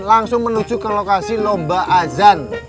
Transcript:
langsung menuju ke lokasi lomba azan